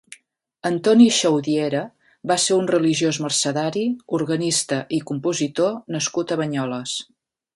Antoni Xaudiera va ser un religiós mercedari, organista i compositor nascut a Banyoles.